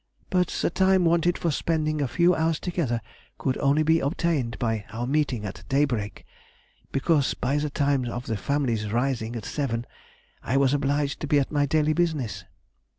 But the time wanted for spending a few hours together could only be obtained by our meeting at daybreak, because by the time of the family's rising at seven, I was obliged to be at my daily business.